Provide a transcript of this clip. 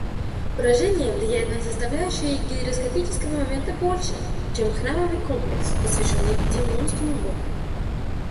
Брожение влияет на составляющие гироскопического момента больше, чем храмовый комплекс, посвященный дилмунскому богу